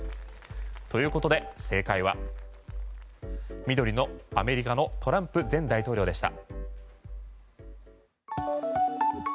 ということで正解は緑のアメリカのトランプ前大統領でした。